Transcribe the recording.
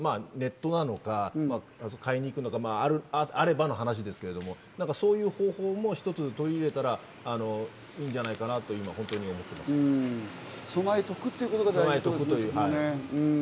ネットなのか、買いに行くのか、あればの話ですけれども、そういう方法も一つ取り入れたらいいんじゃないかなというのを思備えておくことが大事ですね。